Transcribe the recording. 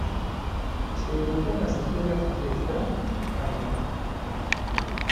Se educó en escuelas de Strand y Hackney.